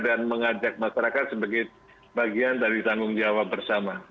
dan mengajak masyarakat sebagai bagian dari tanggung jawab bersama